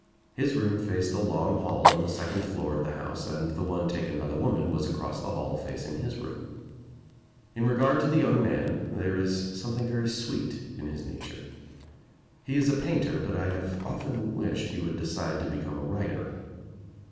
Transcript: His room faced a long hall on the second floor of the house and the one taken by the woman was across the hall facing his room. In regard to the young man — there is something very sweet in his nature. He is a painter but I have often wished he would decide to become a writer.